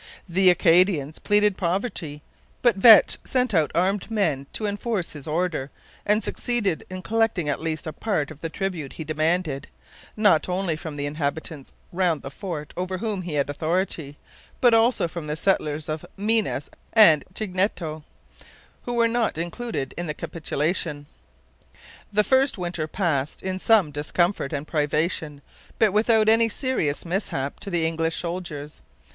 The Acadians pleaded poverty, but Vetch sent out armed men to enforce his order, and succeeded in collecting at least a part of the tribute he demanded, not only from the inhabitants round the fort over whom he had authority, but also from the settlers of Minas and Chignecto, who were not included in the capitulation. The first winter passed, in some discomfort and privation, but without any serious mishap to the English soldiers.